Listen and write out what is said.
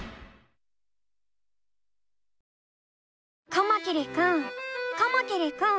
カマキリくんカマキリくん。